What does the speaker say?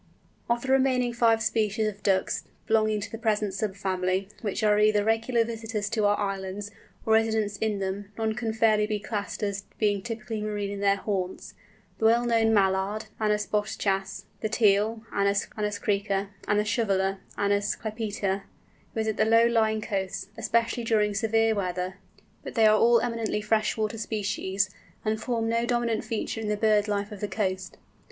Of the remaining five species of Ducks belonging to the present sub family, which are either regular visitors to our islands, or residents in them, none can fairly be classed as being typically marine in their haunts. The well known Mallard Anas boschas, the Teal Anas crecca, and the Shoveller Anas clypeata, visit the low lying coasts, especially during severe weather, but they are all eminently fresh water species, and form no dominant feature in the bird life of the coast.